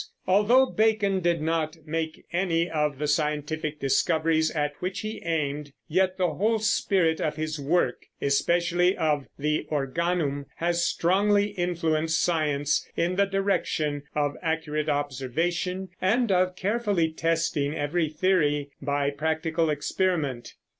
Although Bacon did not make any of the scientific discoveries at which he aimed, yet the whole spirit of his work, especially of the Organum, has strongly influenced science in the direction of accurate observation and of carefully testing every theory by practical experiment.